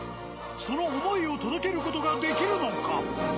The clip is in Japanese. その思いを届ける事ができるのか。